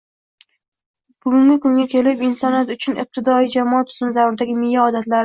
Bungi kunga kelib insoniyat uchun ibtidoiy jamoa tuzumi davridagi miya odatlari